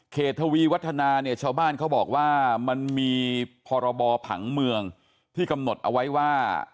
ทวีวัฒนาเนี่ยชาวบ้านเขาบอกว่ามันมีพรบผังเมืองที่กำหนดเอาไว้ว่า